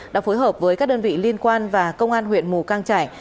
đã phối hợp với các đơn vị liên quan và công an huyện mù căng trải